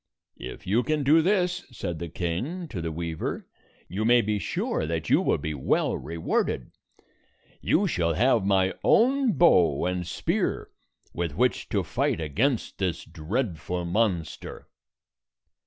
"If you can do this," said the king to the weaver, "you may be sure that you will be well re 129 warded. You shall have my own bow and spear with which to fight against this dreadful monster."